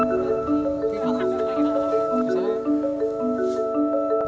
melalui sumur pantek atau sumur kota